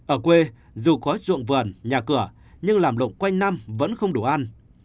ở quê dù có ruộng vườn nhà cửa nhưng làm lộng quanh năm vẫn không đủ ăn